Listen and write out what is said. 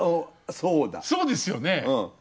そうですよね。